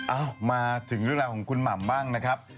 เอ้ามาถึงเรื่องราวของคุณหม่ำบ้างนะครับ